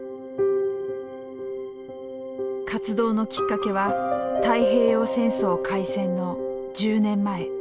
活動のきっかけは太平洋戦争開戦の１０年前。